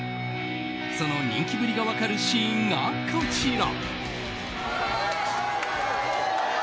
その人気ぶりが分かるシーンがこちら。